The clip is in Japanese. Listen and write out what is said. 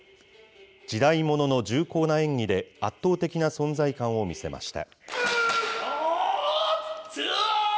時代物の重厚な演技で、圧倒的な存在感を見せました。